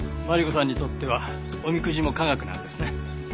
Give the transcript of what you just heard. マリコさんにとってはおみくじも科学なんですね。